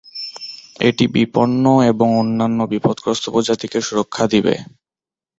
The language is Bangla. এটি বিপন্ন এবং অন্যান্য বিপদগ্রস্ত প্রজাতিকে সুরক্ষা দেবে।